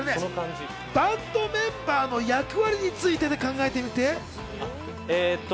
バンドメンバーの役割についてで考えてみて。